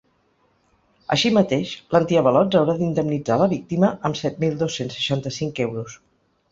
Així mateix, l’antiavalots haurà d’indemnitzar la víctima amb set mil dos-cents seixanta-cinc euros.